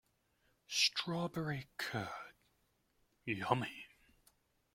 Strawberry curd, yummy!